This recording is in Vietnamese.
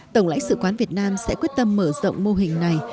tổng lãnh sự quán việt nam sẽ quyết tâm mở rộng mô hình này